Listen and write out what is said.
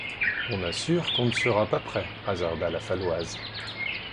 On assure qu'on ne sera pas prêt, hasarda la Faloise.